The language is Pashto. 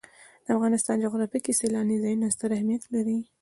د افغانستان جغرافیه کې سیلاني ځایونه ستر اهمیت لري.